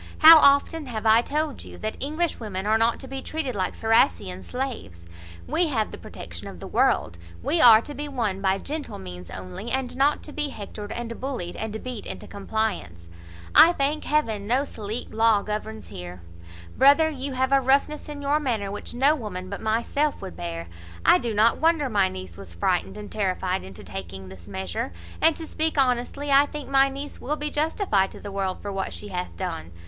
How often have I told you that English women are not to be treated like Ciracessian[*] slaves. We have the protection of the world; we are to be won by gentle means only, and not to be hectored, and bullied, and beat into compliance. I thank Heaven no Salique law governs here. Brother, you have a roughness in your manner which no woman but myself would bear. I do not wonder my niece was frightened and terrified into taking this measure; and, to speak honestly, I think my niece will be justified to the world for what she hath done.